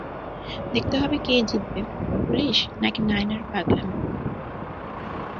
দেখতে হবে কে জিতবে, পুলিশ নাকি নায়নার পাগলামী!